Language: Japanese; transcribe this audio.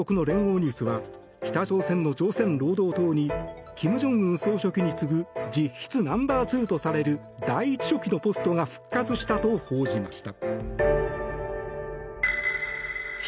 ニュースは北朝鮮の朝鮮労働党に金正恩総書記に次ぐ実質ナンバーツーとされる第１書記のポストが復活したと報じました。